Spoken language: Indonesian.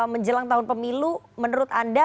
menjelang tahun pemilu menurut anda